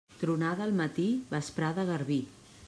Tronada al matí, vesprada, garbí.